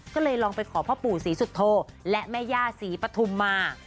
ก็เลยลองไปขอพ่อปู่ศรีสุโธและแม่ย่าศรีปฐุมมา